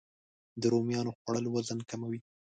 د رومیانو خوړل وزن کموي